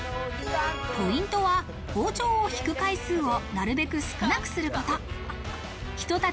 ポイントは、包丁を引く回数をなるべく少なくすること。